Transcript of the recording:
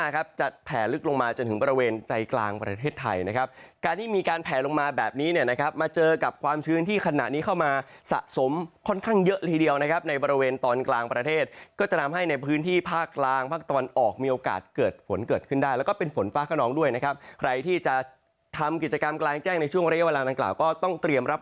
การที่มีการแพลลงมาแบบนี้เนี่ยนะครับมาเจอกับความชื้นที่ขณะนี้เข้ามาสะสมค่อนข้างเยอะละทีเดียวนะครับในบริเวณตอนกลางประเทศก็จะทำให้ในพื้นที่ภาคล้างภาคตอนออกมีโอกาสเกิดฝนเกิดขึ้นได้แล้วก็เป็นฝนฟ้ากระนองด้วยนะครับใครที่จะทำกิจกรรมกลางแจ้งในช่วงระยะเวลาดังกล่าวก็ต้องเตรีย